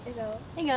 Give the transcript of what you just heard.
笑顔。